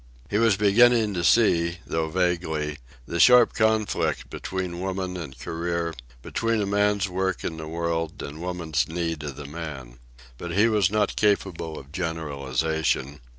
He was beginning to see, though vaguely, the sharp conflict between woman and career, between a man's work in the world and woman's need of the man. But he was not capable of generalization.